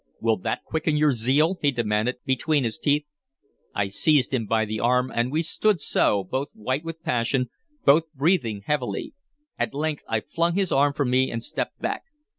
"Will that quicken your zeal?" he demanded between his teeth. I seized him by the arm, and we stood so, both white with passion, both breathing heavily. At length I flung his arm from me and stepped back.